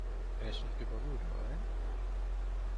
Eres un tipo duro, ¿ eh?